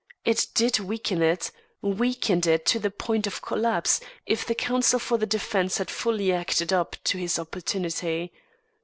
It did weaken it weakened it to the point of collapse, if the counsel for the defence had fully acted up to his opportunity.